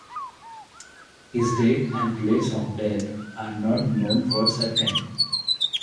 His date and place of death are not known for certain.